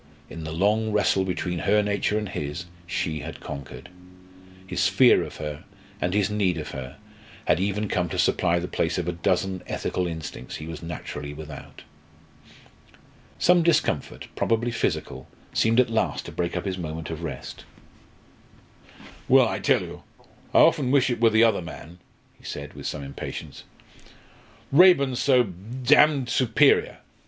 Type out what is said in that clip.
In the long wrestle between her nature and his, she had conquered. His fear of her and his need of her had even come to supply the place of a dozen ethical instincts he was naturally without. Some discomfort, probably physical, seemed at last to break up his moment of rest. "Well, I tell you, I often wish it were the other man," he said, with some impatience. "Raeburn 's so d d superior.